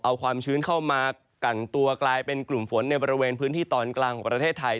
เอาความชื้นเข้ามากันตัวกลายเป็นกลุ่มฝนในบริเวณพื้นที่ตอนกลางของประเทศไทย